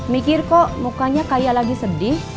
mikir kok mukanya kayak lagi sedih